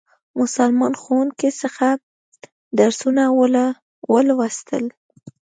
مسلمانو ښوونکو څخه یې درسونه ولوستل.